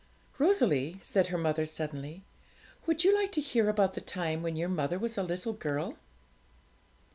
'Rosalie,' said her mother suddenly, 'would you like to hear about the time when your mother was a little girl?'